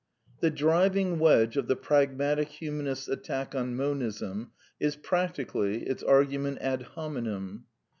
The driving wedge of the pragmatic humanist's attack on Monism is practically its argument ad hominem.